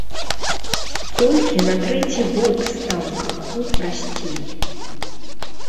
Толькі на трэці год стала крыху прасцей.